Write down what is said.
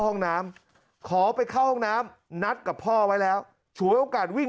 ห้องน้ำขอไปเข้าห้องน้ำนัดกับพ่อไว้แล้วฉวยโอกาสวิ่ง